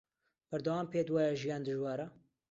بەردەوام پێت وایە ژیان دژوارە